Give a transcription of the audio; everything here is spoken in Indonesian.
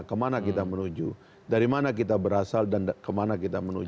kemana kita menuju dari mana kita berasal dan kemana kita menuju